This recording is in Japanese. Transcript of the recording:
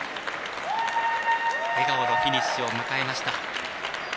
笑顔のフィニッシュを迎えました。